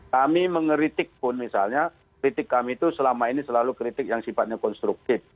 kami mengeritik pun misalnya kritik kami itu selama ini selalu kritik yang sifatnya konstruktif